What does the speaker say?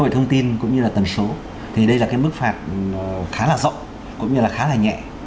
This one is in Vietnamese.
về thông tin cũng như là tần số thì đây là cái mức phạt khá là rộng cũng như là khá là nhẹ